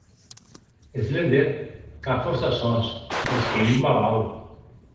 Slender qu’a fòrça sòs, mès qu’ei un babau.